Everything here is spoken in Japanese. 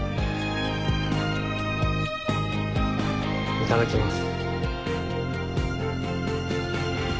いただきます。